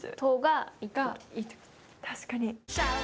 確かに。